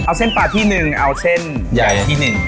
เอาเส้นปลาที่หนึ่งเอาเส้นใหญ่ที่หนึ่ง